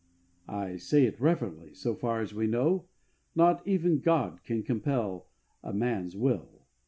I say it reverently, so far as we know, not even God Himself can compel a man's will.